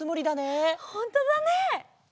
ほんとだね！